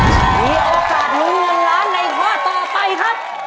มีโอกาสลุ้นเงินล้านในข้อต่อไปครับ